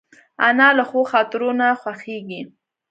انا له ښو خاطرو نه خوښېږي